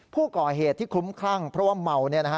ผู้ก่อเหตุที่คลุ้มคลั่งเพราะว่าเมา